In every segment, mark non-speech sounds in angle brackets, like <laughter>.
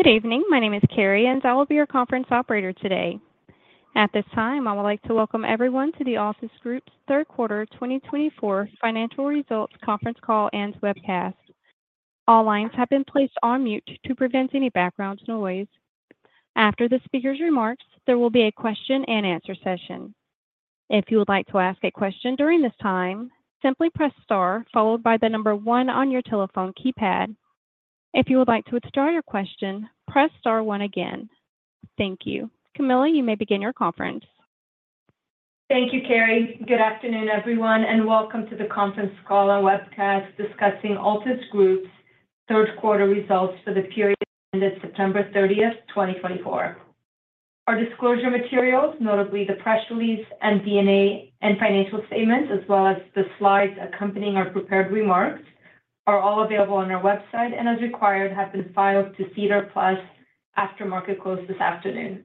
Good evening. My name is Carrie, and I will be your conference operator today. At this time, I would like to welcome everyone to the Altus Group's third quarter 2024 financial results conference call and webcast. All lines have been placed on mute to prevent any background noise. After the speaker's remarks, there will be a question-and-answer session. If you would like to ask a question during this time, simply press star followed by the number one on your telephone keypad. If you would like to withdraw your question, press star one again. Thank you. Camilla, you may begin your conference. Thank you, Carrie. Good afternoon, everyone, and welcome to the conference call and webcast discussing Altus Group's third quarter results for the period ended September 30th, 2024. Our disclosure materials, notably the press release and MD&A and financial statements, as well as the slides accompanying our prepared remarks, are all available on our website and, as required, have been filed to SEDAR+ after market close this afternoon.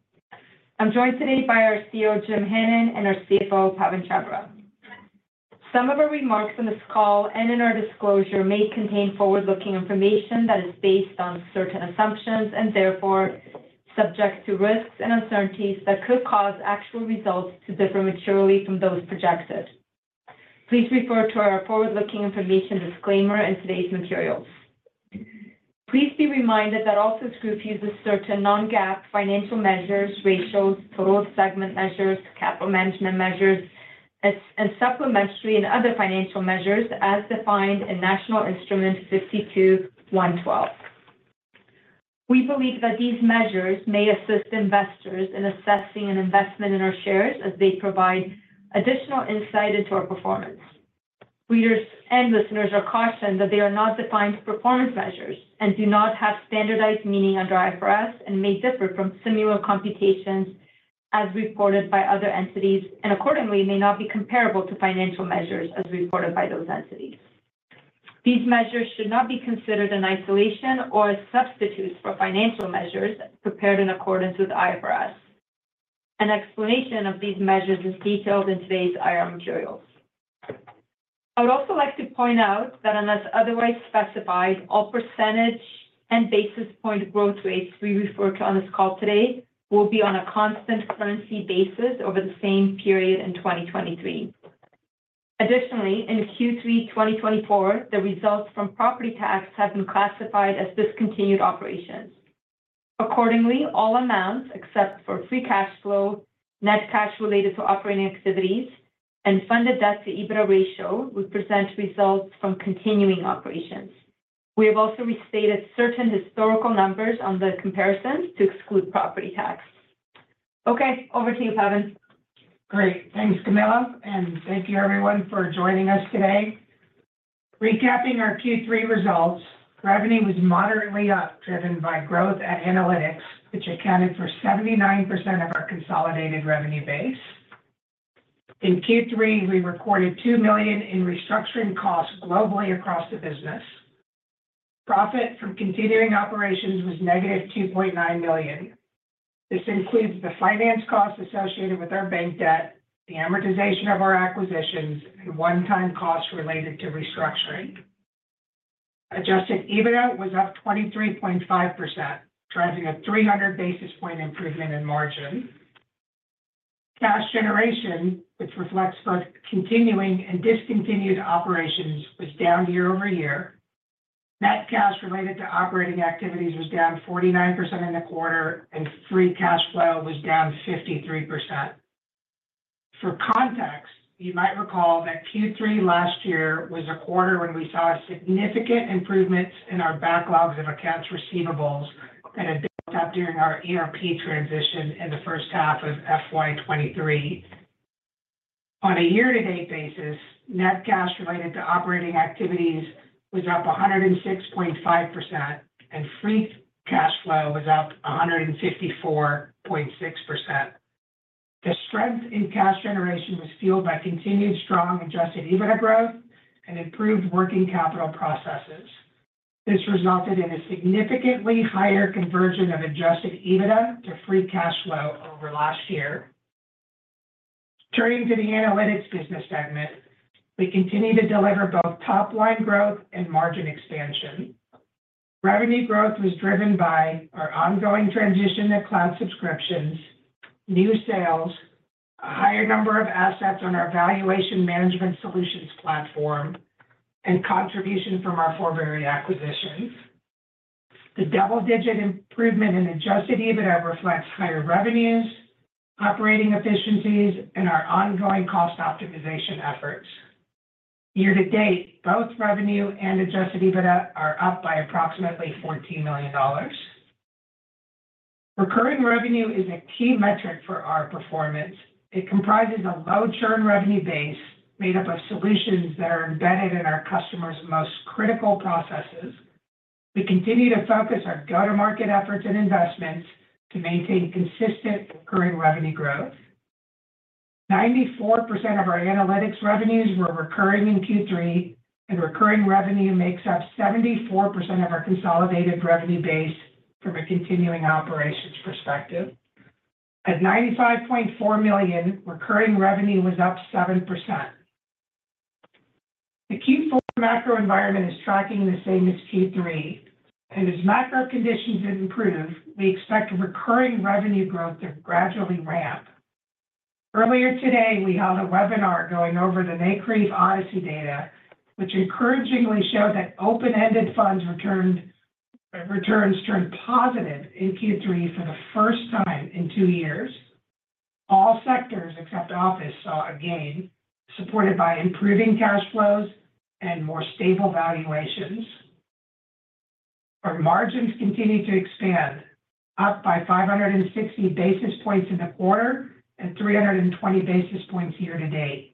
I'm joined today by our CEO, Jim Hannon, and our CFO, Pawan Chhabra. Some of our remarks in this call and in our disclosure may contain forward-looking information that is based on certain assumptions and therefore subject to risks and uncertainties that could cause actual results to differ materially from those projected. Please refer to our forward-looking information disclaimer in today's materials. Please be reminded that Altus Group uses certain non-GAAP financial measures, ratios, total segment measures, capital management measures, and supplementary and other financial measures as defined in National Instrument 52-112. We believe that these measures may assist investors in assessing an investment in our shares as they provide additional insight into our performance. Readers and listeners are cautioned that they are not defined performance measures and do not have standardized meaning under IFRS and may differ from similar computations as reported by other entities and, accordingly, may not be comparable to financial measures as reported by those entities. These measures should not be considered in isolation or as substitutes for financial measures prepared in accordance with IFRS. An explanation of these measures is detailed in today's IR materials. I would also like to point out that, unless otherwise specified, all percentage and basis point growth rates we refer to on this call today will be on a constant currency basis over the same period in 2023. Additionally, in Q3 2024, the results from Property Tax have been classified as discontinued operations. Accordingly, all amounts except for free cash flow, net cash related to operating activities, and funded debt to EBITDA ratio would present results from continuing operations. We have also restated certain historical numbers on the comparisons to exclude Property Tax. Okay, over to you, Pawan. Great. Thanks, Camilla, and thank you, everyone, for joining us today. Recapping our Q3 results, revenue was moderately up, driven by growth at Analytics, which accounted for 79% of our consolidated revenue base. In Q3, we recorded $2 million in restructuring costs globally across the business. Profit from continuing operations was negative $2.9 million. This includes the finance costs associated with our bank debt, the amortization of our acquisitions, and one-time costs related to restructuring. Adjusted EBITDA was up 23.5%, driving a 300 basis point improvement in margin. Cash generation, which reflects both continuing and discontinued operations, was down year over year. Net cash related to operating activities was down 49% in the quarter, and free cash flow was down 53%. For context, you might recall that Q3 last year was a quarter when we saw significant improvements in our backlogs of accounts receivables that had built up during our ERP transition in the first half of FY 2023. On a year-to-date basis, net cash related to operating activities was up 106.5%, and free cash flow was up 154.6%. The strength in cash generation was fueled by continued strong adjusted EBITDA growth and improved working capital processes. This resulted in a significantly higher conversion of adjusted EBITDA to free cash flow over last year. Turning to the analytics business segment, we continue to deliver both top-line growth and margin expansion. Revenue growth was driven by our ongoing transition to cloud subscriptions, new sales, a higher number of assets on our Valuation Management Solutions platform, and contribution from our forward-looking acquisitions. The double-digit improvement in Adjusted EBITDA reflects higher revenues, operating efficiencies, and our ongoing cost optimization efforts. Year-to-date, both revenue and Adjusted EBITDA are up by approximately $14 million. Recurring revenue is a key metric for our performance. It comprises a low churn revenue base made up of solutions that are embedded in our customers' most critical processes. We continue to focus our go-to-market efforts and investments to maintain consistent recurring revenue growth. 94% of our analytics revenues were recurring in Q3, and recurring revenue makes up 74% of our consolidated revenue base from a continuing operations perspective. At $95.4 million, recurring revenue was up 7%. The Q4 macro environment is tracking the same as Q3, and as macro conditions improve, we expect recurring revenue growth to gradually ramp. Earlier today, we held a webinar going over the NCREIF ODCE data, which encouragingly showed that open-ended funds returns turned positive in Q3 for the first time in two years. All sectors except office saw a gain, supported by improving cash flows and more stable valuations. Our margins continue to expand, up by 560 basis points in the quarter and 320 basis points year-to-date.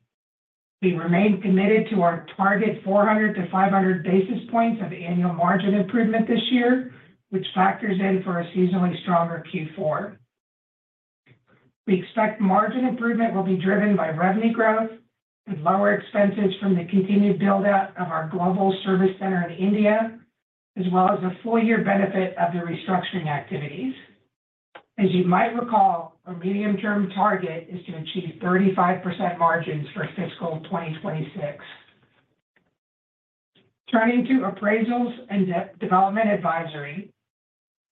We remain committed to our target 400-500 basis points of annual margin improvement this year, which factors in for a seasonally stronger Q4. We expect margin improvement will be driven by revenue growth and lower expenses from the continued build-out of our global service center in India, as well as a four-year benefit of the restructuring activities. As you might recall, our medium-term target is to achieve 35% margins for fiscal 2026. Turning to Appraisals and Development Advisory,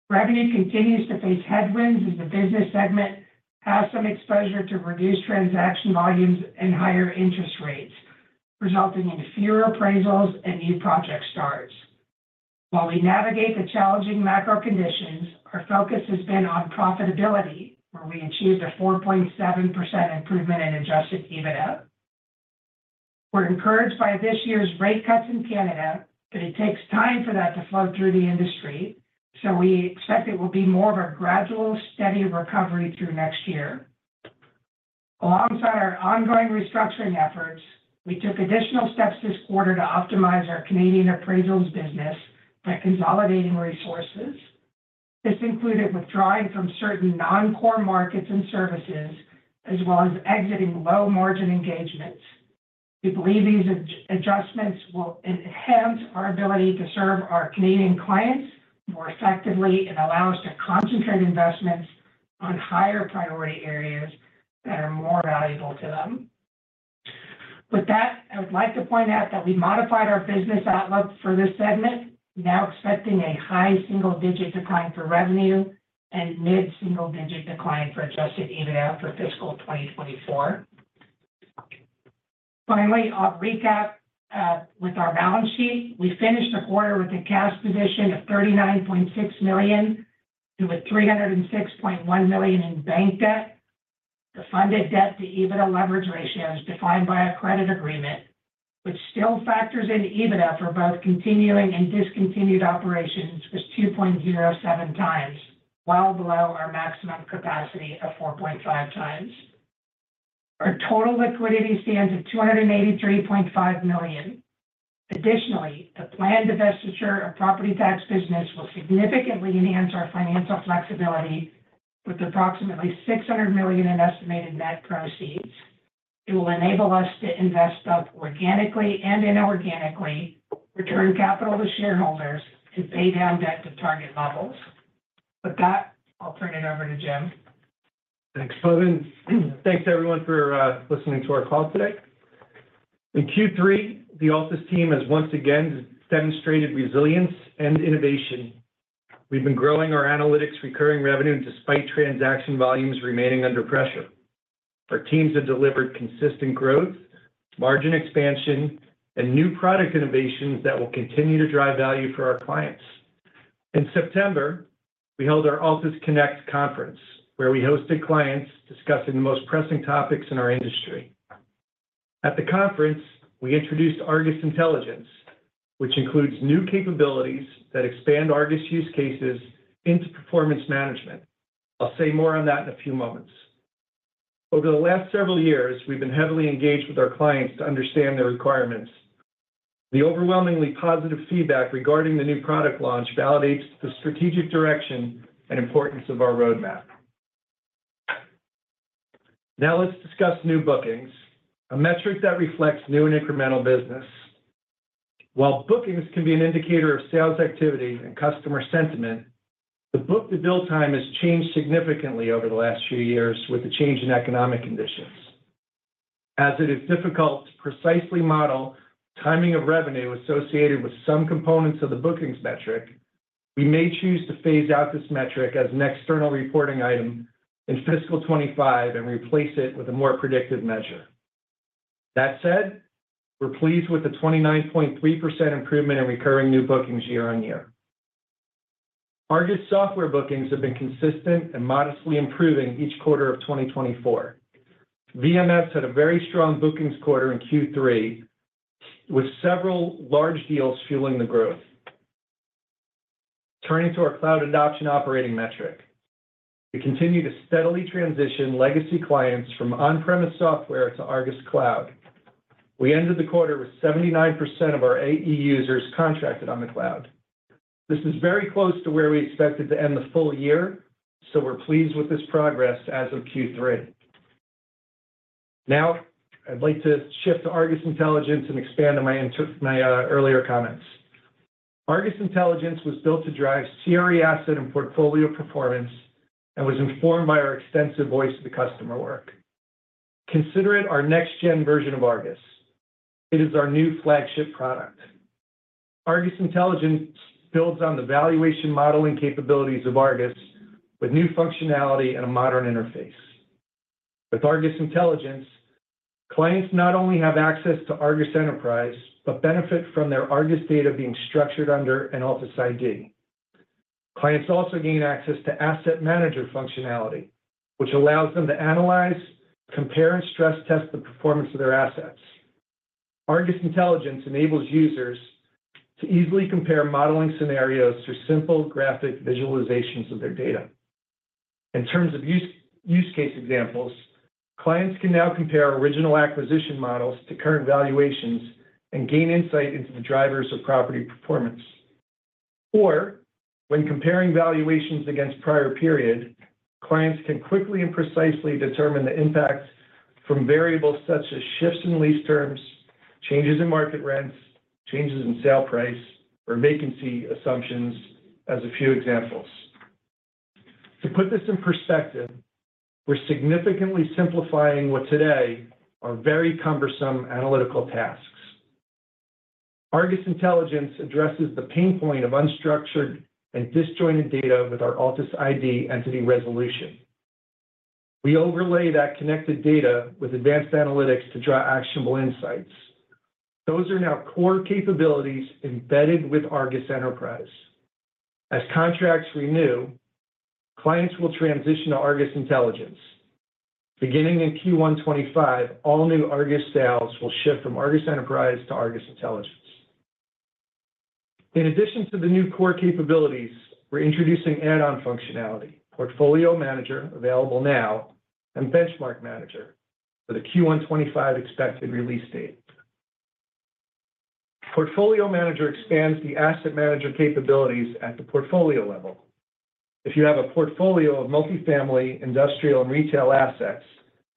revenue continues to face headwinds as the business segment has some exposure to reduced transaction volumes and higher interest rates, resulting in fewer appraisals and new project starts. While we navigate the challenging macro conditions, our focus has been on profitability, where we achieved a 4.7% improvement in Adjusted EBITDA. We're encouraged by this year's rate cuts in Canada, but it takes time for that to flow through the industry, so we expect it will be more of a gradual, steady recovery through next year. Alongside our ongoing restructuring efforts, we took additional steps this quarter to optimize our Canadian appraisals business by consolidating resources. This included withdrawing from certain non-core markets and services, as well as exiting low-margin engagements. We believe these adjustments will enhance our ability to serve our Canadian clients more effectively and allow us to concentrate investments on higher priority areas that are more valuable to them. With that, I would like to point out that we modified our business outlook for this segment, now expecting a high single-digit decline for revenue and mid-single-digit decline for Adjusted EBITDA for fiscal 2024. Finally, I'll recap with our balance sheet. We finished the quarter with a cash position of 39.6 million with 306.1 million in bank debt. The funded debt to EBITDA leverage ratio is defined by our credit agreement, which still factors in EBITDA for both continuing and discontinued operations, was 2.07 times, well below our maximum capacity of 4.5 times. Our total liquidity stands at 283.5 million. Additionally, the planned divestiture of property tax business will significantly enhance our financial flexibility with approximately 600 million in estimated net proceeds. It will enable us to invest both organically and inorganically, return capital to shareholders, and pay down debt to target levels. With that, I'll turn it over to Jim. Thanks, Pawan. Thanks, everyone, for listening to our call today. In Q3, the Altus team has once again demonstrated resilience and innovation. We've been growing our analytics recurring revenue despite transaction volumes remaining under pressure. Our teams have delivered consistent growth, margin expansion, and new product innovations that will continue to drive value for our clients. In September, we held our Altus Connect conference, where we hosted clients discussing the most pressing topics in our industry. At the conference, we introduced ARGUS Intelligence, which includes new capabilities that expand ARGUS use cases into performance management. I'll say more on that in a few moments. Over the last several years, we've been heavily engaged with our clients to understand their requirements. The overwhelmingly positive feedback regarding the new product launch validates the strategic direction and importance of our roadmap. Now let's discuss new bookings, a metric that reflects new and incremental business. While bookings can be an indicator of sales activity and customer sentiment, the book-to-bill time has changed significantly over the last few years with the change in economic conditions. As it is difficult to precisely model timing of revenue associated with some components of the bookings metric, we may choose to phase out this metric as an external reporting item in fiscal 2025 and replace it with a more predictive measure. That said, we're pleased with the 29.3% improvement in recurring new bookings year on year. ARGUS software bookings have been consistent and modestly improving each quarter of 2024. VMS had a very strong bookings quarter in Q3, with several large deals fueling the growth. Turning to our cloud adoption operating metric, we continue to steadily transition legacy clients from on-premise software to ARGUS Cloud. We ended the quarter with 79% of our AE users contracted on the cloud. This is very close to where we expected to end the full year, so we're pleased with this progress as of Q3. Now, I'd like to shift to ARGUS Intelligence and expand on my earlier comments. ARGUS Intelligence was built to drive CRE asset and portfolio performance and was informed by our extensive voice-to-customer work. Consider it our next-gen version of ARGUS. It is our new flagship product. ARGUS Intelligence builds on the valuation modeling capabilities of ARGUS, with new functionality and a modern interface. With ARGUS Intelligence, clients not only have access to ARGUS Enterprise but benefit from their ARGUS data being structured under an Altus ID. Clients also gain access to asset manager functionality, which allows them to analyze, compare, and stress test the performance of their assets. ARGUS Intelligence enables users to easily compare modeling scenarios through simple graphic visualizations of their data. In terms of use case examples, clients can now compare original acquisition models to current valuations and gain insight into the drivers of property performance, or when comparing valuations against prior periods, clients can quickly and precisely determine the impacts from variables such as shifts in lease terms, changes in market rents, changes in sale price, or vacancy assumptions, as a few examples. To put this in perspective, we're significantly simplifying what today are very cumbersome analytical tasks. ARGUS Intelligence addresses the pain point of unstructured and disjointed data with our Altus ID entity resolution. We overlay that connected data with advanced analytics to draw actionable insights. Those are now core capabilities embedded with ARGUS Enterprise. As contracts renew, clients will transition to ARGUS Intelligence. Beginning in Q1 2025, all new ARGUS sales will shift from ARGUS Enterprise to ARGUS Intelligence. In addition to the new core capabilities, we're introducing add-on functionality: Portfolio Manager available now and Benchmark Manager for the Q1 2025 expected release date. Portfolio Manager expands the asset manager capabilities at the portfolio level. If you have a portfolio of multifamily, industrial, and retail assets,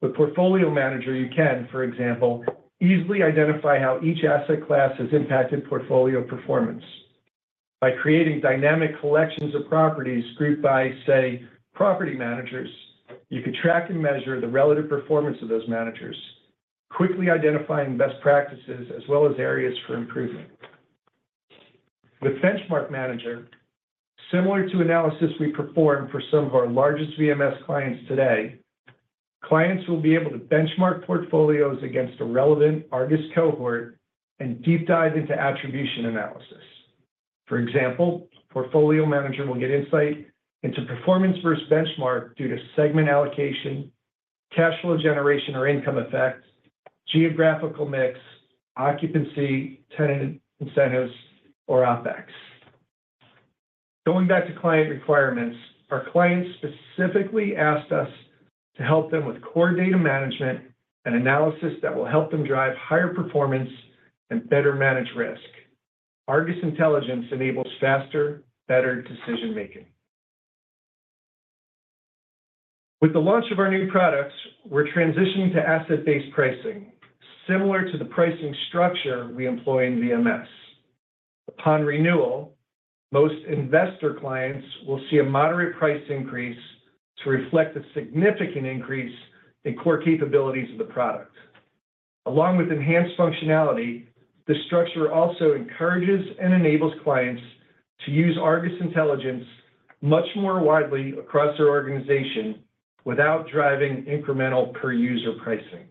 with Portfolio Manager, you can, for example, easily identify how each asset class has impacted portfolio performance. By creating dynamic collections of properties grouped by, say, property managers, you could track and measure the relative performance of those managers, quickly identifying best practices as well as areas for improvement. With Benchmark Manager, similar to analysis we perform for some of our largest VMS clients today, clients will be able to benchmark portfolios against a relevant ARGUS cohort and deep dive into attribution analysis. For example, Portfolio Manager will get insight into performance versus benchmark due to segment allocation, cash flow generation or income effect, geographical mix, occupancy, tenant incentives, or OpEx. Going back to client requirements, our clients specifically asked us to help them with core data management and analysis that will help them drive higher performance and better manage risk. ARGUS Intelligence enables faster, better decision-making. With the launch of our new products, we're transitioning to asset-based pricing, similar to the pricing structure we employ in VMS. Upon renewal, most investor clients will see a moderate price increase to reflect a significant increase in core capabilities of the product. Along with enhanced functionality, the structure also encourages and enables clients to use ARGUS Intelligence much more widely across their organization without driving incremental per-user pricing.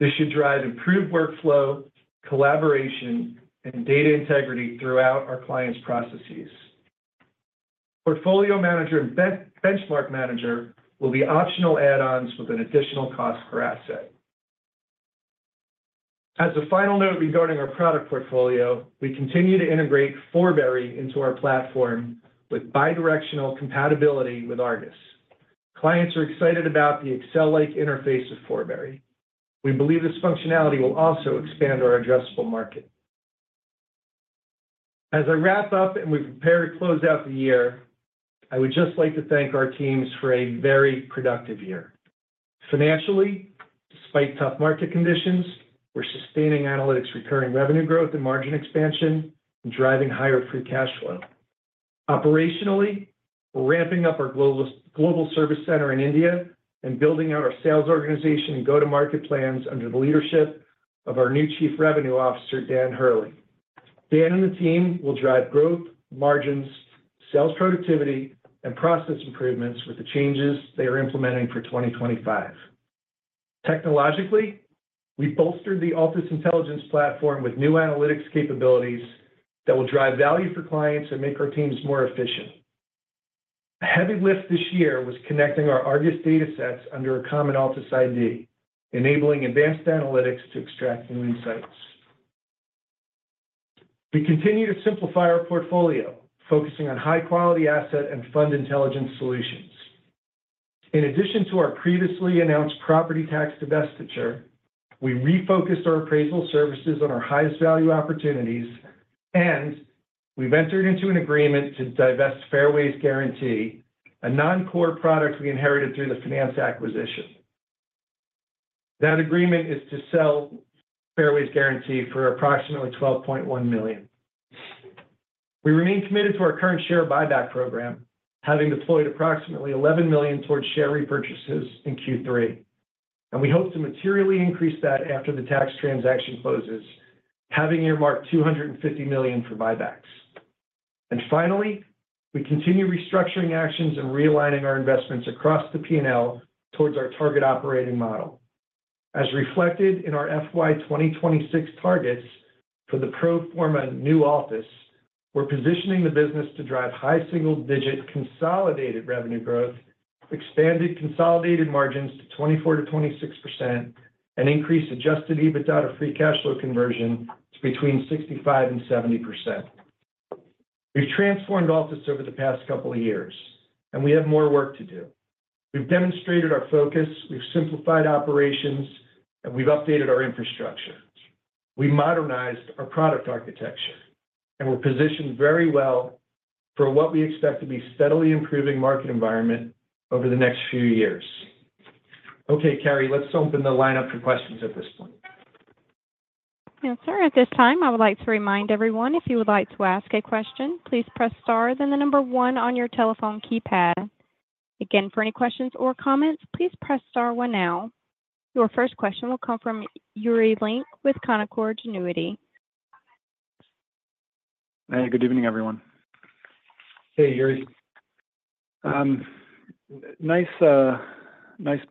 This should drive improved workflow, collaboration, and data integrity throughout our clients' processes. Portfolio Manager and Benchmark Manager will be optional add-ons with an additional cost per asset. As a final note regarding our product portfolio, we continue to integrate Forbury into our platform with bidirectional compatibility with ARGUS. Clients are excited about the Excel-like interface of Forbury. We believe this functionality will also expand our addressable market. As I wrap up and we prepare to close out the year, I would just like to thank our teams for a very productive year. Financially, despite tough market conditions, we're sustaining analytics recurring revenue growth and margin expansion and driving higher free cash flow. Operationally, we're ramping up our global service center in India and building out our sales organization and go-to-market plans under the leadership of our new Chief Revenue Officer, Dan Hurley. Dan and the team will drive growth, margins, sales productivity, and process improvements with the changes they are implementing for 2025. Technologically, we bolstered the ARGUS Intelligence platform with new analytics capabilities that will drive value for clients and make our teams more efficient. A heavy lift this year was connecting our ARGUS datasets under a common Altus ID, enabling advanced analytics to extract new insights. We continue to simplify our portfolio, focusing on high-quality asset and fund intelligence solutions. In addition to our previously announced property tax divestiture, we refocused our appraisal services on our highest-value opportunities, and we've entered into an agreement to divest Fairways Guarantees, a non-core product we inherited through the Finance Active acquisition. That agreement is to sell Fairways Guarantees for approximately 12.1 million. We remain committed to our current share buyback program, having deployed approximately $11 million towards share repurchases in Q3, and we hope to materially increase that after the tax transaction closes, having earmarked $250 million for buybacks, and finally, we continue restructuring actions and realigning our investments across the P&L towards our target operating model. As reflected in our FY 2026 targets for the pro forma new Altus, we're positioning the business to drive high single-digit consolidated revenue growth, expanded consolidated margins to 24%-26%, and increase Adjusted EBITDA to free cash flow conversion to between 65% and 70%. We've transformed Altus over the past couple of years, and we have more work to do. We've demonstrated our focus, we've simplified operations, and we've updated our infrastructure. We modernized our product architecture, and we're positioned very well for what we expect to be a steadily improving market environment over the next few years. Okay, Carrie, let's open the lineup for questions at this point. Yes, sir. At this time, I would like to remind everyone, if you would like to ask a question, please press star then the number one on your telephone keypad. Again, for any questions or comments, please press star one now. Your first question will come from Yuri Lynk with Canaccord Genuity. Hey, good evening, everyone. Hey, Yuri. Nice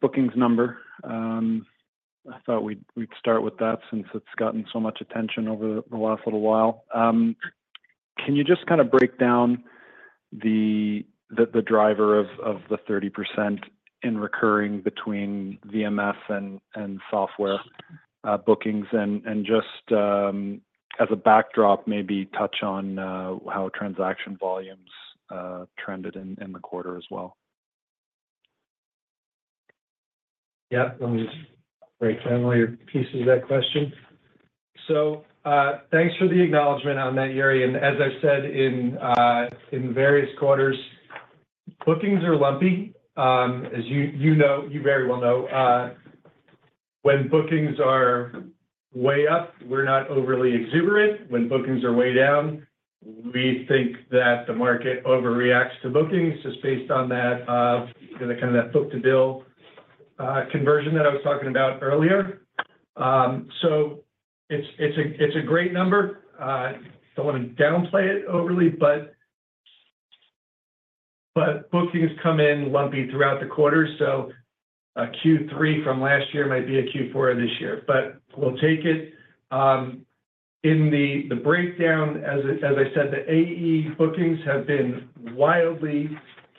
bookings number. I thought we'd start with that since it's gotten so much attention over the last little while. Can you just kind of break down the driver of the 30% in recurring between VMS and software bookings and just, as a backdrop, maybe touch on how transaction volumes trended in the quarter as well? Yeah, let me just break down all your pieces of that question, so thanks for the acknowledgment on that, Yuri, and as I've said in various quarters, bookings are lumpy. As you know, you very well know, when bookings are way up, we're not overly exuberant. When bookings are way down, we think that the market overreacts to bookings just based on that kind of book-to-bill conversion that I was talking about earlier, so it's a great number. I don't want to downplay it overly, but bookings come in lumpy throughout the quarter, so Q3 from last year might be a Q4 of this year, but we'll take it. In the breakdown, as I said, the AE bookings have been wildly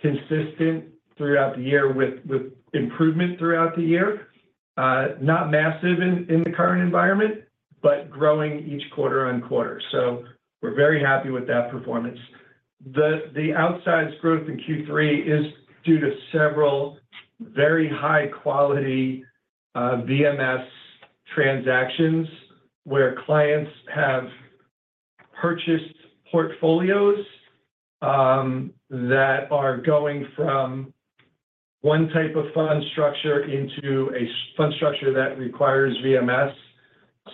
consistent throughout the year with improvement throughout the year. Not massive in the current environment, but growing each quarter on quarter, so we're very happy with that performance. The outsized growth in Q3 is due to several very high-quality VMS transactions where clients have purchased portfolios that are going from one type of fund structure into a fund structure that requires VMS.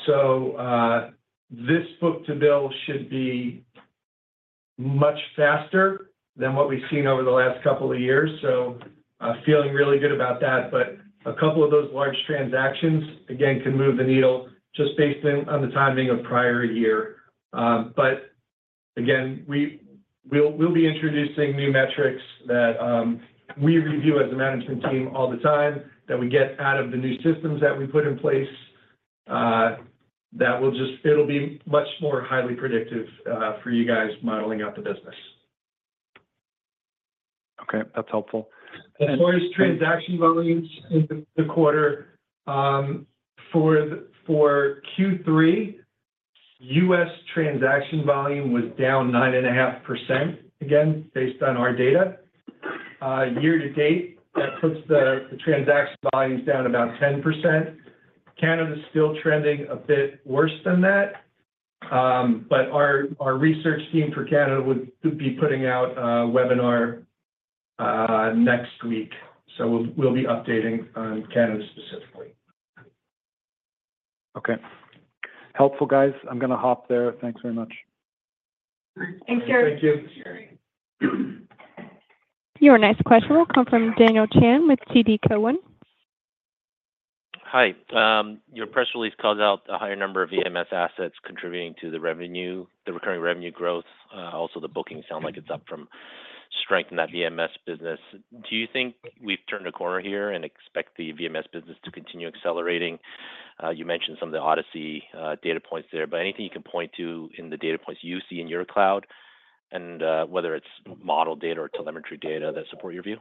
So this book-to-bill should be much faster than what we've seen over the last couple of years. So feeling really good about that. But a couple of those large transactions, again, can move the needle just based on the timing of prior year. But again, we'll be introducing new metrics that we review as a management team all the time that we get out of the new systems that we put in place. It'll be much more highly predictive for you guys modeling out the business. Okay, that's helpful. As far as transaction volumes in the quarter, for Q3, U.S. transaction volume was down 9.5%, again, based on our data. Year to date, that puts the transaction volumes down about 10%. Canada's still trending a bit worse than that, but our research team for Canada would be putting out a webinar next week. So we'll be updating on Canada specifically. Okay. Helpful, guys. I'm going to hop there. Thanks very much. Thanks, Yuri Thank you. Your next question will come from Daniel Chan with TD Cowen. Hi. Your press release called out a higher number of VMS assets contributing to the recurring revenue growth. Also, the bookings sound like it's up from strength in that VMS business. Do you think we've turned a corner here and expect the VMS business to continue accelerating? You mentioned some of the ODCE data points there, but anything you can point to in the data points you see in your cloud and whether it's model data or telemetry data that support your view?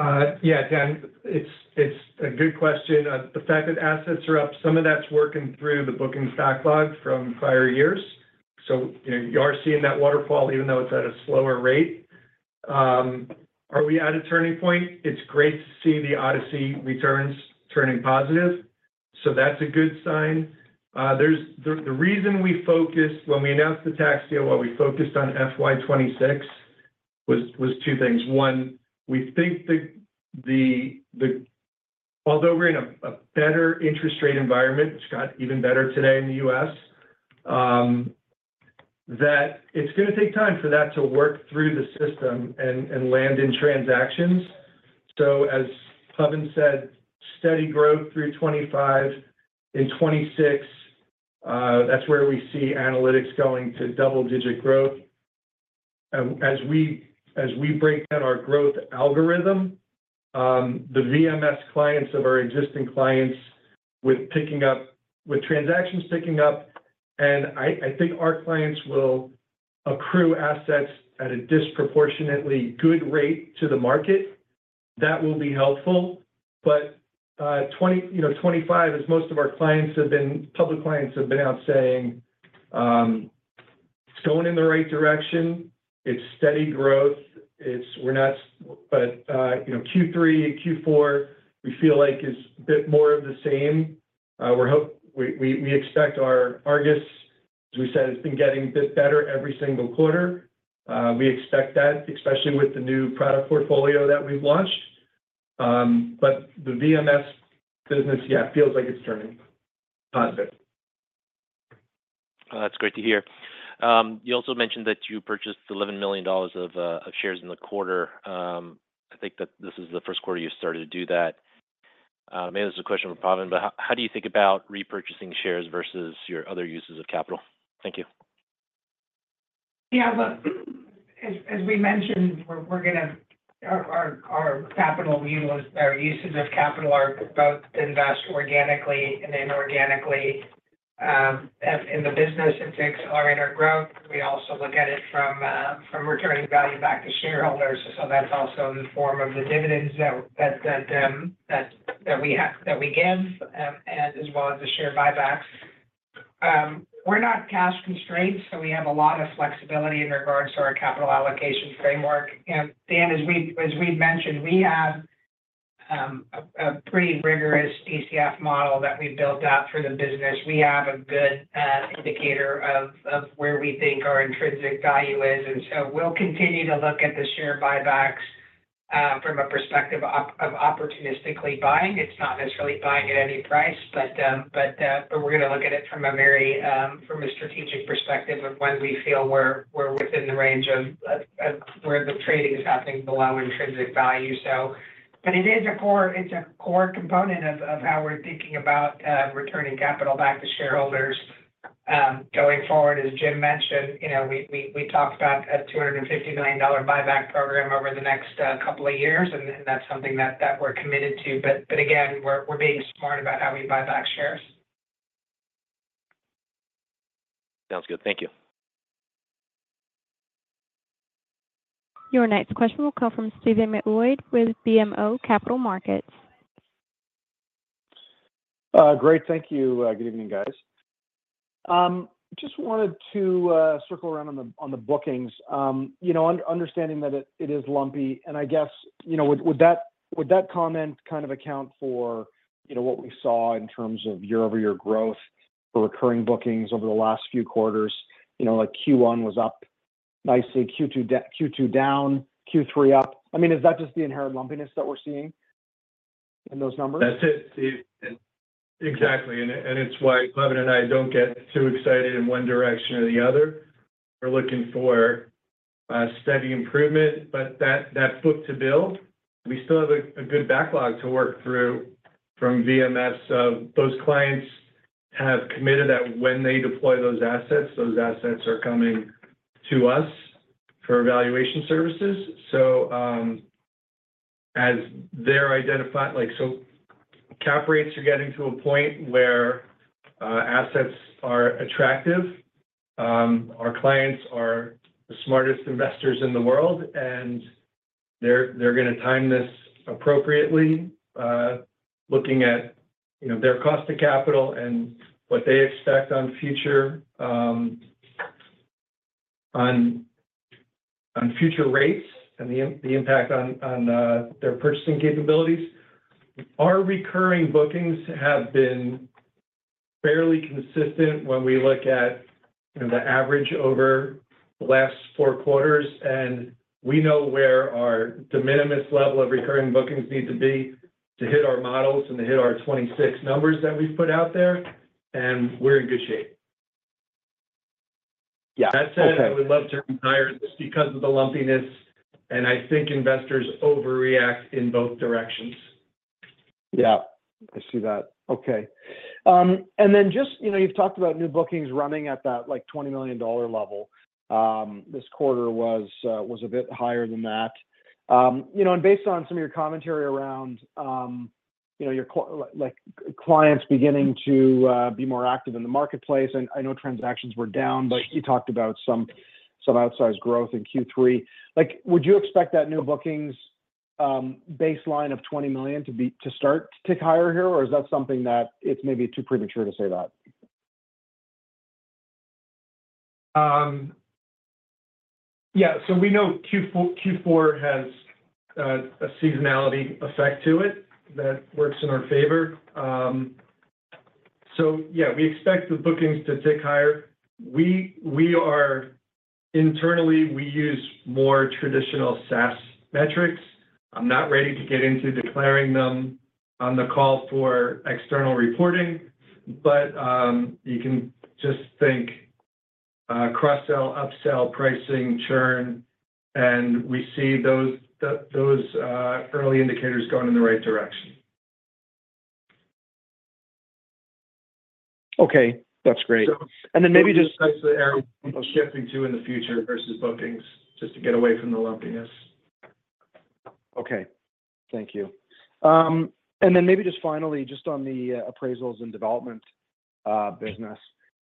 Yeah, Dan, it's a good question. The fact that assets are up, some of that's working through the booking backlog from prior years. So you are seeing that waterfall even though it's at a slower rate. Are we at a turning point? It's great to see the ODCE returns turning positive. So that's a good sign. The reason we focused when we announced the tax deal, while we focused on FY 2026, was two things. One, we think that although we're in a better interest rate environment, which got even better today in the U.S., that it's going to take time for that to work through the system and land in transactions. So as Pawan said, steady growth through 2025. In 2026, that's where we see analytics going to double-digit growth. As we break down our growth algorithm, the VMS clients of our existing clients with transactions picking up, and I think our clients will accrue assets at a disproportionately good rate to the market, that will be helpful. But 2025, as most of our public clients have been out saying, it's going in the right direction. It's steady growth. But Q3 and Q4, we feel like is a bit more of the same. We expect our ARGUS, as we said, has been getting a bit better every single quarter. We expect that, especially with the new product portfolio that we've launched. But the VMS business, yeah, feels like it's turning positive. That's great to hear. You also mentioned that you purchased 11 million dollars of shares in the quarter. I think that this is the first quarter you started to do that. Maybe this is a question for Pawan, but how do you think about repurchasing shares versus your other uses of capital? Thank you. Yeah, as we mentioned, our uses of capital are to invest organically and inorganically in the business. It takes our inorganic growth. We also look at it from returning value back to shareholders. So that's also in the form of the dividends that we give as well as the share buybacks. We're not cash constrained, so we have a lot of flexibility in regards to our capital allocation framework. And Dan, as we've mentioned, we have a pretty rigorous DCF model that we've built out for the business. We have a good indicator of where we think our intrinsic value is. And so we'll continue to look at the share buybacks from a perspective of opportunistically buying. It's not necessarily buying at any price, but we're going to look at it from a very strategic perspective of when we feel we're within the range of where the trading is happening below intrinsic value, but it is a core component of how we're thinking about returning capital back to shareholders going forward. As Jim mentioned, we talked about a 250 million dollar buyback program over the next couple of years, and that's something that we're committed to, but again, we're being smart about how we buy back shares. Sounds good. Thank you. Your next question will come from Stephen MacLeod with BMO Capital Markets. Great. Thank you. Good evening, guys. Just wanted to circle around on the bookings. Understanding that it is lumpy, and I guess, would that comment kind of account for what we saw in terms of year-over-year growth for recurring bookings over the last few quarters? Q1 was up nicely, Q2 down, Q3 up. I mean, is that just the inherent lumpiness that we're seeing in those numbers? That's it. Exactly. And it's why Pawan and I don't get too excited in one direction or the other. We're looking for steady improvement, but that book-to-bill, we still have a good backlog to work through from VMS. Those clients have committed that when they deploy those assets, those assets are coming to us for evaluation services. So as they're identifying, so cap rates are getting to a point where assets are attractive. Our clients are the smartest investors in the world, and they're going to time this appropriately, looking at their cost of capital and what they expect on future rates and the impact on their purchasing capabilities. Our recurring bookings have been fairly consistent when we look at the average over the last four quarters, and we know where our de minimis level of recurring bookings need to be to hit our models and to hit our 2026 numbers that we've put out there, and we're in good shape. That said, we'd love to retire just because of the lumpiness, and I think investors overreact in both directions. Yeah, I see that. Okay. And then just you've talked about new bookings running at that 20 million dollar level. This quarter was a bit higher than that. And based on some of your commentary around your clients beginning to be more active in the marketplace, I know transactions were down, but you talked about some outsized growth in Q3. Would you expect that new bookings baseline of 20 million to start to tick higher here, or is that something that it's maybe too premature to say that? Yeah. So we know Q4 has a seasonality effect to it that works in our favor. So yeah, we expect the bookings to tick higher. Internally, we use more traditional SaaS metrics. I'm not ready to get into declaring them on the call for external reporting, but you can just think cross-sell, upsell, pricing, churn, and we see those early indicators going in the right direction. Okay, that's great. And then maybe just. We'll be excited for the ARR of people shifting to it in the future versus bookings just to get away from the lumpiness. Okay. Thank you. And then maybe just finally, just on the appraisals and development business,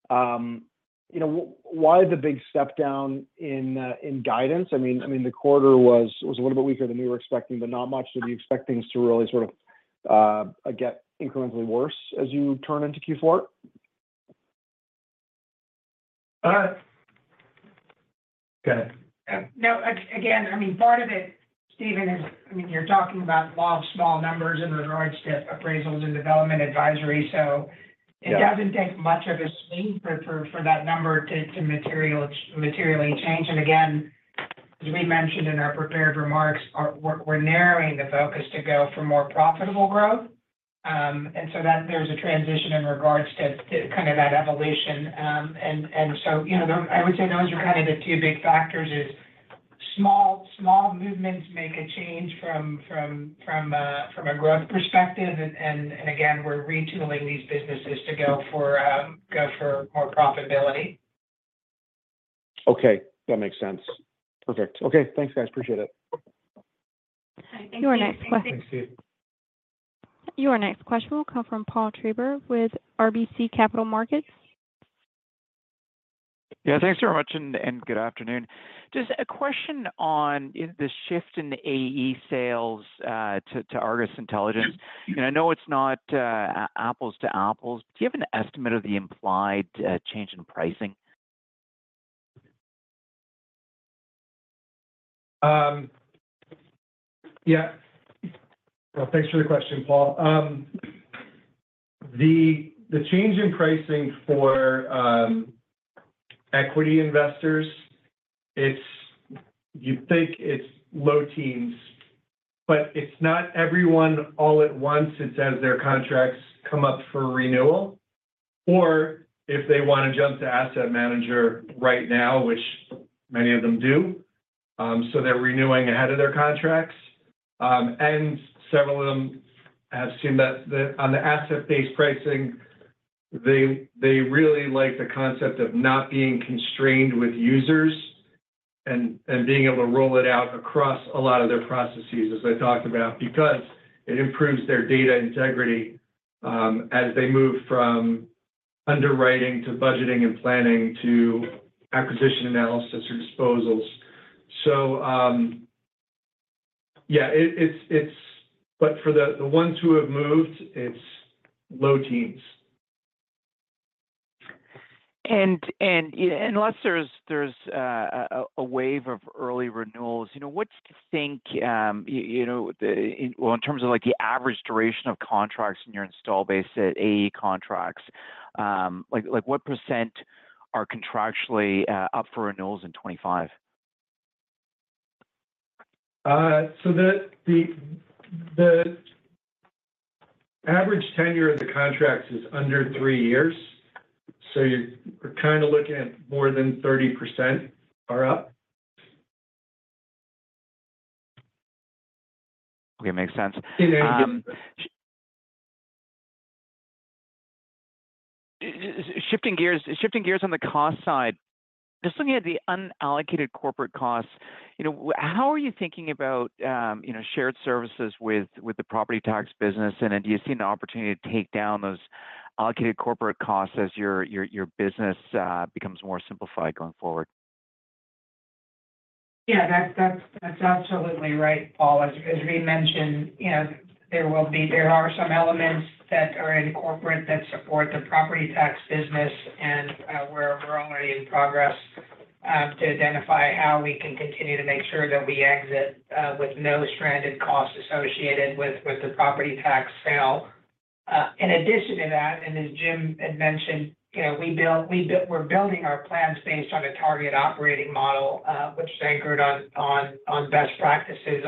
why the big step down in guidance? I mean, the quarter was a little bit weaker than we were expecting, but not much that you expect things to really sort of get incrementally worse as you turn into Q4? Go ahead. No, again, I mean, part of it, Stephen, is I mean, you're talking about small numbers in regards to Appraisals and Development Advisory. So it doesn't take much of a swing for that number to materially change. And again, as we mentioned in our prepared remarks, we're narrowing the focus to go for more profitable growth. And so there's a transition in regards to kind of that evolution. And so I would say those are kind of the two big factors is small movements make a change from a growth perspective. And again, we're retooling these businesses to go for more profitability. Okay. That makes sense. Perfect. Okay. Thanks, guys. Appreciate it. Thank you. <crosstalk> Your next question will come from Paul Treiber with RBC Capital Markets. Yeah. Thanks very much and good afternoon. Just a question on the shift in the AE sales to ARGUS Intelligence, and I know it's not apples to apples, but do you have an estimate of the implied change in pricing? Yeah. Well, thanks for the question, Paul. The change in pricing for equity investors, you think it's low teens, but it's not everyone all at once as their contracts come up for renewal or if they want to jump to asset manager right now, which many of them do. So they're renewing ahead of their contracts. And several of them have seen that on the asset-based pricing, they really like the concept of not being constrained with users and being able to roll it out across a lot of their processes, as I talked about, because it improves their data integrity as they move from underwriting to budgeting and planning to acquisition analysis or disposals. So yeah, but for the ones who have moved, it's low teens. And unless there's a wave of early renewals, what do you think in terms of the average duration of contracts in your installed base at AE contracts? What percent are contractually up for renewals in 2025? The average tenure of the contracts is under three years. You're kind of looking at more than 30% are up. Okay. Makes sense. Shifting gears on the cost side, just looking at the unallocated corporate costs, how are you thinking about shared services with the property tax business? And do you see an opportunity to take down those allocated corporate costs as your business becomes more simplified going forward? Yeah, that's absolutely right, Paul. As we mentioned, there are some elements that are in corporate that support the property tax business, and we're already in progress to identify how we can continue to make sure that we exit with no stranded costs associated with the property tax sale. In addition to that, and as Jim had mentioned, we're building our plans based on a target operating model, which is anchored on best practices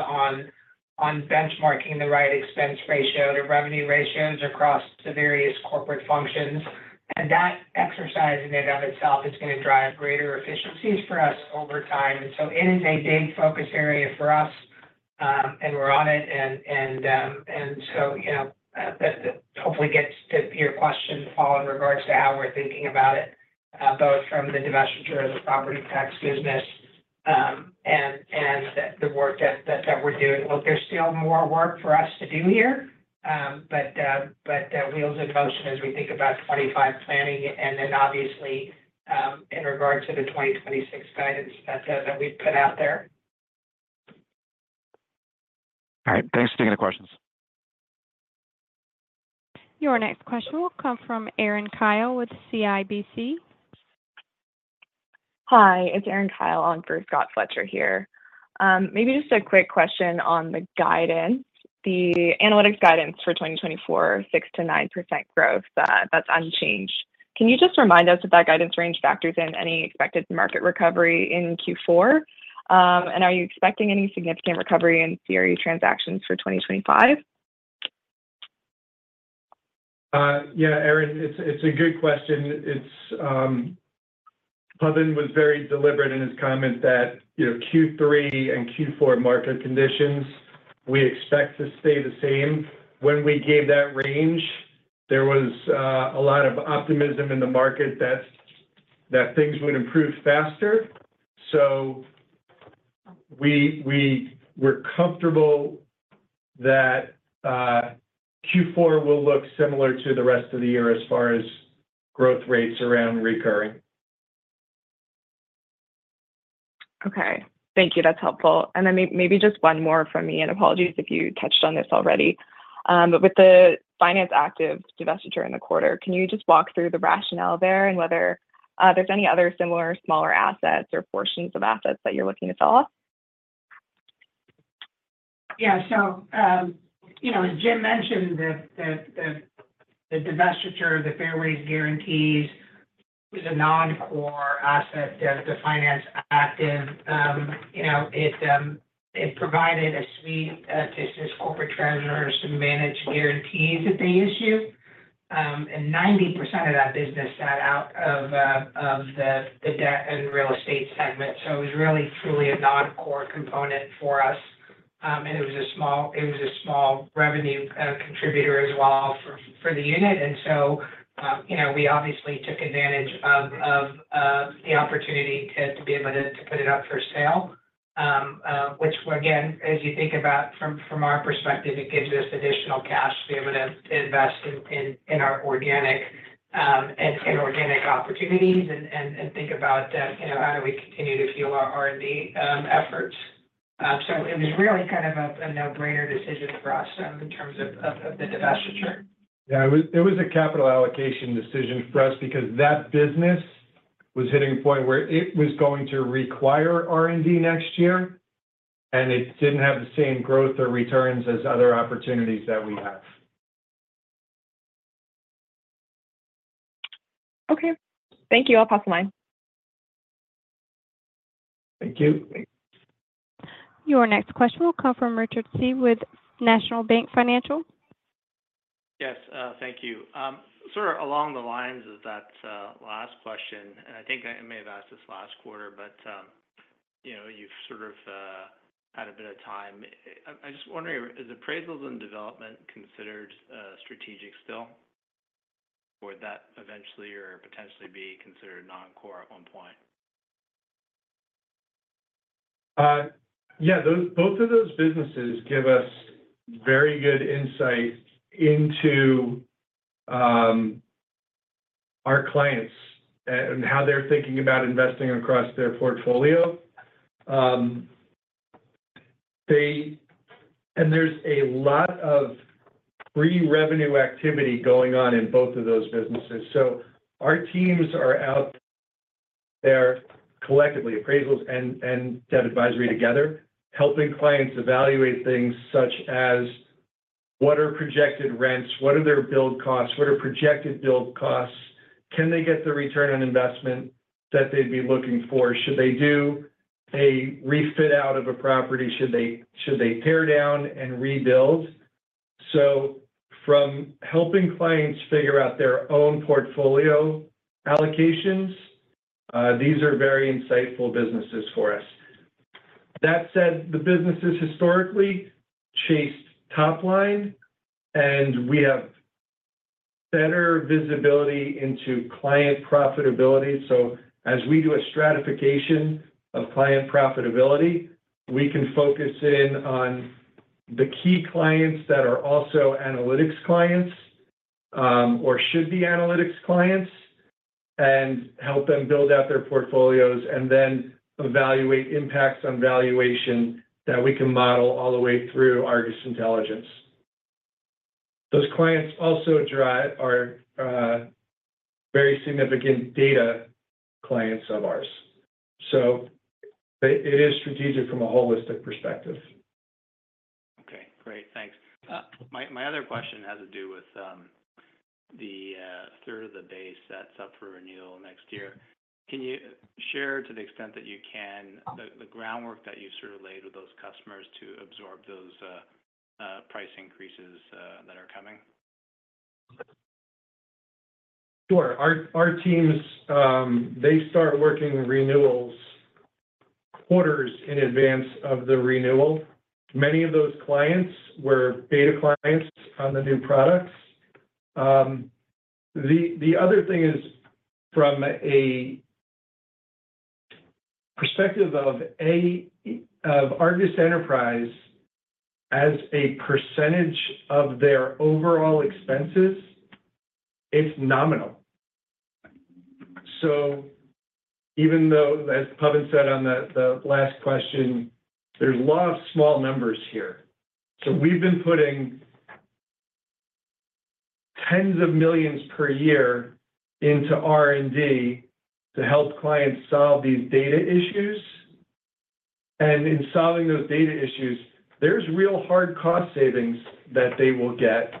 on benchmarking the right expense ratio to revenue ratios across the various corporate functions. And that exercise in and of itself is going to drive greater efficiencies for us over time. And so it is a big focus area for us, and we're on it. So that hopefully gets to your question, Paul, in regards to how we're thinking about it, both from the divestiture of the property tax business and the work that we're doing. Look, there's still more work for us to do here, but that wheel's in motion as we think about 2025 planning and then obviously in regards to the 2026 guidance that we've put out there. All right. Thanks for taking the questions. Your next question will come from Erin Kyle with CIBC. Hi, it's Erin Kyle on for Scott Fletcher here. Maybe just a quick question on the guidance, the analytics guidance for 2024, 6%-9% growth that's unchanged. Can you just remind us if that guidance range factors in any expected market recovery in Q4? And are you expecting any significant recovery in CRE transactions for 2025? Yeah, Erin, it's a good question. Pavan was very deliberate in his comment that Q3 and Q4 market conditions we expect to stay the same. When we gave that range, there was a lot of optimism in the market that things would improve faster. So we're comfortable that Q4 will look similar to the rest of the year as far as growth rates around recurring. Okay. Thank you. That's helpful. And then maybe just one more from me, and apologies if you touched on this already. But with the Finance Active divestiture in the quarter, can you just walk through the rationale there and whether there's any other similar smaller assets or portions of assets that you're looking to sell off? Yeah. So as Jim mentioned, the divestiture, the Fairways Guarantees is a non-core asset to Finance Active. It provided a suite to assist corporate treasurers to manage guarantees that they issue. And 90% of that business sat out of the debt and real estate segment. So it was really truly a non-core component for us. And it was a small revenue contributor as well for the unit. And so we obviously took advantage of the opportunity to be able to put it up for sale, which, again, as you think about from our perspective, it gives us additional cash to be able to invest in our organic and organic opportunities and think about how do we continue to fuel our R&D efforts. So it was really kind of a no-brainer decision for us in terms of the divestiture. Yeah. It was a capital allocation decision for us because that business was hitting a point where it was going to require R&D next year, and it didn't have the same growth or returns as other opportunities that we have. Okay. Thank you. I'll pass the mic. Thank you. Your next question will come from Richard Tse with National Bank Financial. Yes. Thank you. Sort of along the lines of that last question, and I think I may have asked this last quarter, but you've sort of had a bit of time. I'm just wondering, is Appraisals and Development considered strategic still, or would that eventually or potentially be considered non-core at one point? Yeah. Both of those businesses give us very good insight into our clients and how they're thinking about investing across their portfolio, and there's a lot of pre-revenue activity going on in both of those businesses, so our teams are out there collectively, Appraisals and Development Advisory together, helping clients evaluate things such as what are projected rents, what are their build costs, what are projected build costs, can they get the return on investment that they'd be looking for, should they do a refit out of a property, should they tear down and rebuild, so from helping clients figure out their own portfolio allocations, these are very insightful businesses for us. That said, the businesses historically chased top line, and we have better visibility into client profitability. As we do a stratification of client profitability, we can focus in on the key clients that are also analytics clients or should be analytics clients and help them build out their portfolios and then evaluate impacts on valuation that we can model all the way through ARGUS Intelligence. Those clients also are very significant data clients of ours. It is strategic from a holistic perspective. Okay. Great. Thanks. My other question has to do with the third of the base that's up for renewal next year. Can you share to the extent that you can the groundwork that you've sort of laid with those customers to absorb those price increases that are coming? Sure. Our teams, they start working renewals quarters in advance of the renewal. Many of those clients were beta clients on the new products. The other thing is from a perspective of ARGUS Enterprise, as a percentage of their overall expenses, it's nominal. So even though, as Pawan said on the last question, there's a lot of small numbers here. So we've been putting tens of millions per year into R&D to help clients solve these data issues. And in solving those data issues, there's real hard cost savings that they will get.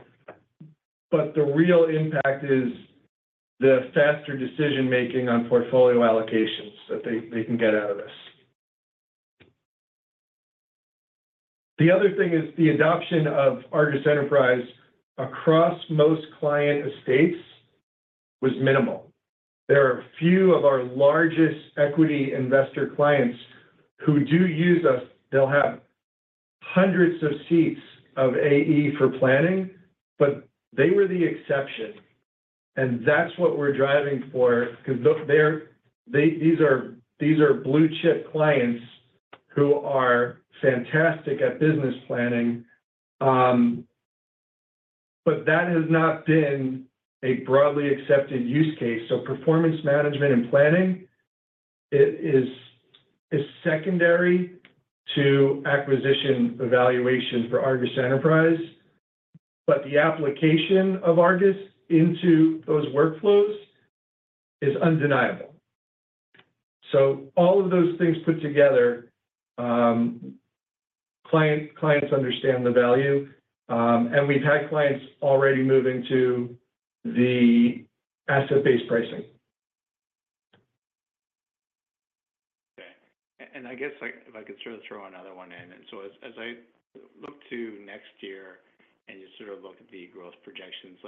But the real impact is the faster decision-making on portfolio allocations that they can get out of this. The other thing is the adoption of ARGUS Enterprise across most client estates was minimal. There are a few of our largest equity investor clients who do use us. They'll have hundreds of seats of AE for planning, but they were the exception. And that's what we're driving for because these are blue-chip clients who are fantastic at business planning. But that has not been a broadly accepted use case. So performance management and planning is secondary to acquisition evaluation for ARGUS Enterprise, but the application of ARGUS into those workflows is undeniable. So all of those things put together, clients understand the value, and we've had clients already moving to the asset-based pricing. Okay. And I guess if I could sort of throw another one in. And so as I look to next year and just sort of look at the growth projections,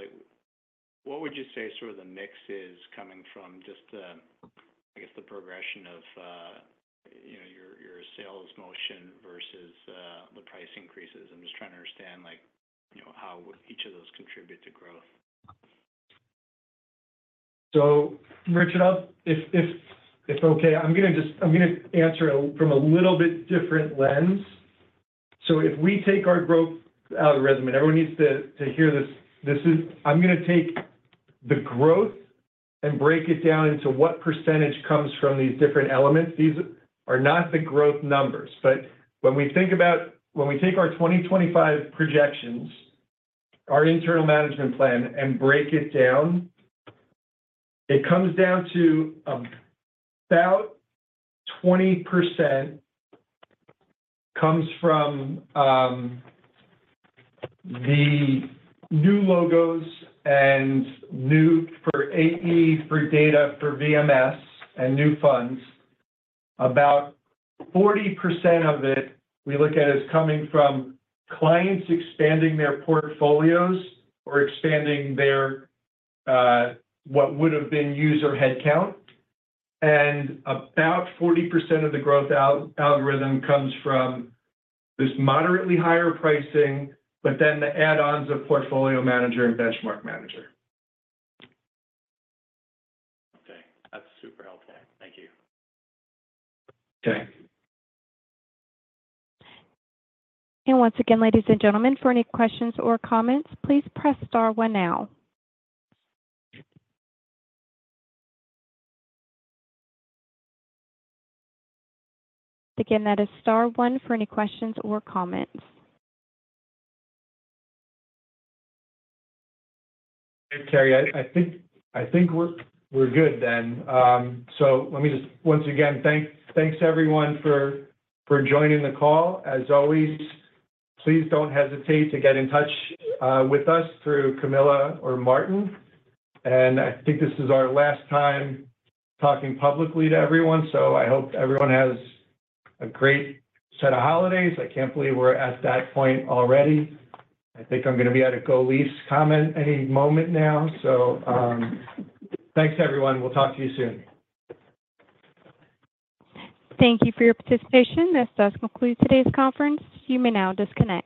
what would you say sort of the mix is coming from just, I guess, the progression of your sales motion versus the price increases? I'm just trying to understand how each of those contribute to growth. Richard, if it's okay, I'm going to answer from a little bit different lens. If we take our growth algorithm, and everyone needs to hear this, I'm going to take the growth and break it down into what percentage comes from these different elements. These are not the growth numbers. But when we think about when we take our 2025 projections, our internal management plan, and break it down, it comes down to about 20% comes from the new logos and new for AE for data for VMS and new funds. About 40% of it we look at as coming from clients expanding their portfolios or expanding their what would have been user headcount. And about 40% of the growth algorithm comes from this moderately higher pricing, but then the add-ons of Portfolio Manager and Benchmark Manager. Okay. That's super helpful. Thank you. Okay. And once again, ladies and gentlemen, for any questions or comments, please press star one now. Again, that is star one for any questions or comments. Okay, Carrie, I think we're good then. So let me just once again thank everyone for joining the call. As always, please don't hesitate to get in touch with us through Camilla or Martin. And I think this is our last time talking publicly to everyone. So I hope everyone has a great set of holidays. I can't believe we're at that point already. I think I'm going to be at a go-lease any moment now. So thanks, everyone. We'll talk to you soon. Thank you for your participation. This does conclude today's conference. You may now disconnect.